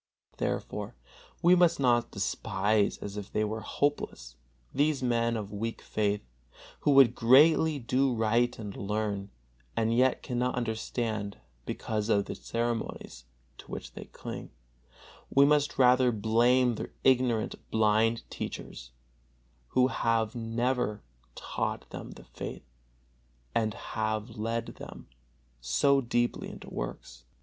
Therefore we must not despise, as if they were hopeless, these men of weak faith, who would gladly do right and learn, and yet cannot understand because of the ceremonies to which they cling; we must rather blame their ignorant, blind teachers, who have never taught them the faith, and have led them so deeply into works.